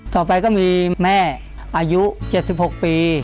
ต่อไปก็มีแม่อายุ๗๖ปี